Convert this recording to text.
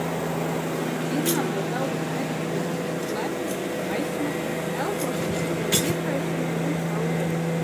Izmanto tautas medicīnā pret klepu, aizsmakumu, elpošanas ceļu iekaisumiem un caureju.